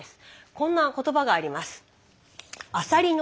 こんな言葉があります。